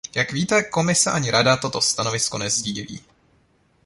Jak víte, Komise ani Rada toto stanovisko nesdílí.